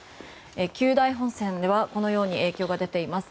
久大本線では、このように影響が出ています。